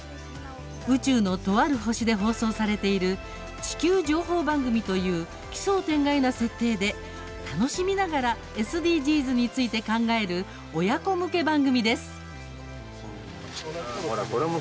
宇宙のとある星で放送されている地球情報番組という奇想天外な設定で楽しみながらＳＤＧｓについて考える親子向け番組です。